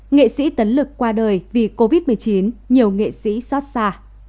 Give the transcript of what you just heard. nghệ sĩ tấn lực qua đời vì covid một mươi chín nhiều nghệ sĩ xót xa